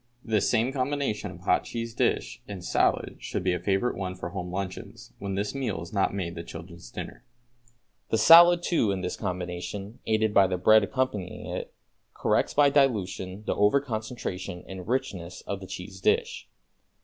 This same combination of hot cheese dish and salad should be a favorite one for home luncheons, when this meal is not made the children's dinner. The salad too in this combination, aided by the bread accompanying it, corrects by dilution the over concentration and richness of the cheese dish.